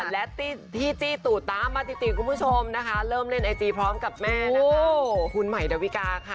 และที่จี้ตู่ตามมาติคุณผู้ชมนะคะเริ่มเล่นไอจีพร้อมกับแม่นะคะคุณใหม่ดาวิกาค่ะ